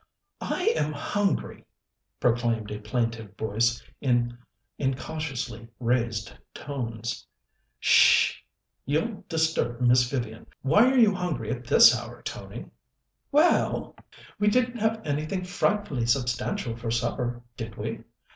"I am hungry," proclaimed a plaintive voice in incautiously raised tones. "H'sh sh! You'll disturb Miss Vivian. Why are you hungry at this hour, Tony?" "Well, we didn't have anything frightfully substantial for supper, did we?